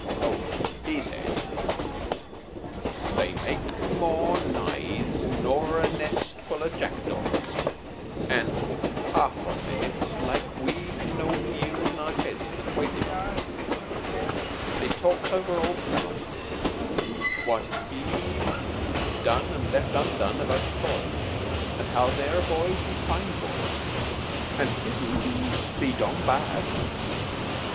"Oh, he said, 'They make more nise nor a nest full o' jackdaws, an' half of it like we'd no ears to our heads that waited on 'em. They talks over old Prout what he've done an' left undone about his boys. An' how their boys be fine boys, an' his'n be dom bad.